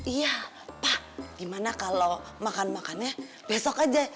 iya pa gimana kalo makan makannya besok aja